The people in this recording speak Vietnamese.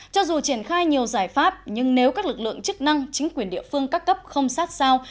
cho dù triển khai nhiều giải pháp nhưng nếu các lực lượng chức năng chính quyền địa phương các cấp không sát sao